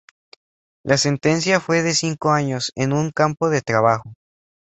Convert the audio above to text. La sentencia fue de cinco años en un campo de trabajo.